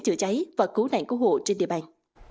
chữa cháy và cứu nạn cứu hộ trên địa bàn